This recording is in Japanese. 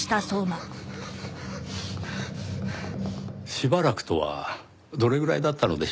しばらくとはどれぐらいだったのでしょう？